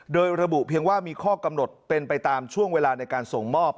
โดยระบุเพียงว่ามีข้อกำหนดเป็นไปตามช่วงเวลาในการส่งมอบ